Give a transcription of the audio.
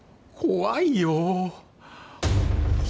怖いよ。